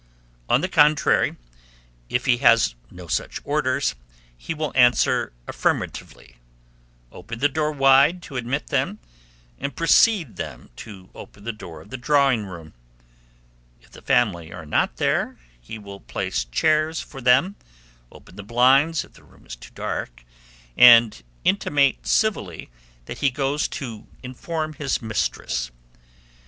On the contrary, if he has no such orders, he will answer affirmatively, open the door wide to admit them, and precede them to open the door of the drawing room. If the family are not there, he will place chairs for them, open the blinds (if the room is too dark), and intimate civilly that he goes to inform his mistress.